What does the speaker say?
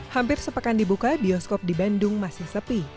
hampir sepekan dibuka bioskop di bandung masih sepi